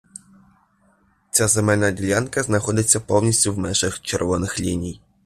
Ця земельна ділянка знаходиться повністю в межах червоних ліній.